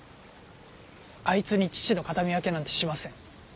あいつに父の形見分けなんてしません。